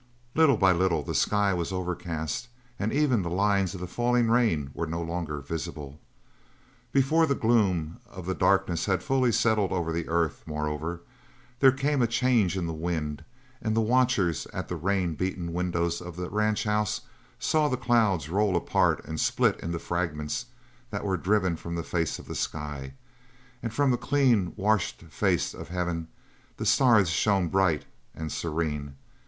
Little by little the sky was overcast, and even the lines of the falling rain were no longer visible. Before the gloom of the darkness had fully settled over the earth, moreover, there came a change in the wind, and the watchers at the rain beaten windows of the ranch house saw the clouds roll apart and split into fragments that were driven from the face of the sky; and from the clean washed face of heaven the stars shone down bright and serene.